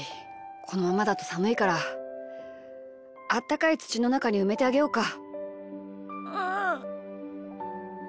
このままだとさむいからあったかいつちのなかにうめてあげようか。